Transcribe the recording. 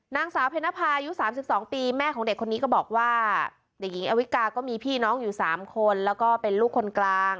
นางสาวเพนภายุ๓๒ปีแม่ของเด็กคนนี้ก็บอกว่าเด็กหญิงอวิกาก็มีพี่น้องอยู่๓คนแล้วก็เป็นลูกคนกลาง